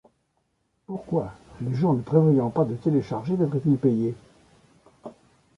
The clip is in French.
Pourquoi les gens ne prévoyant pas de télécharger devraient-ils payer ?